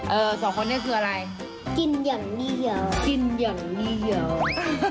เออสองคนเนี้ยคืออะไรกินอย่างเหนียวกินอย่างเหนียว